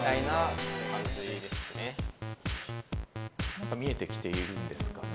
何か見えてきているんですかね？